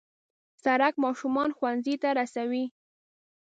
سړک ماشومان ښوونځي ته رسوي.